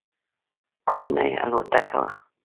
کوچنۍ الوتکه وه.